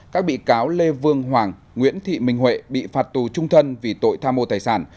các bị cáo lê vương hoàng nguyễn thị minh huệ bị phạt tù trung thân vì tội tham mô tài sản